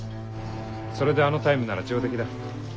それであのタイムなら上出来だ。